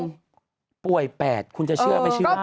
๑๐คนป่วย๘คุณจะเชื่อก็ไม่เชื่อ